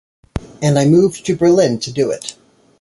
And I moved to Berlin to do it.